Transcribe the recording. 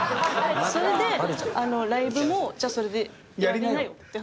それでライブもじゃあそれでやりなよって